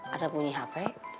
ada bunyi hp